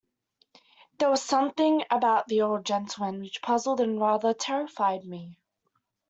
There was something about the old gentleman which puzzled and rather terrified me.